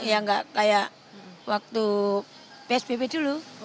ya nggak kayak waktu psbb dulu